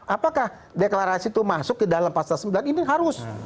apakah deklarasi itu masuk ke dalam pasal sembilan ini harus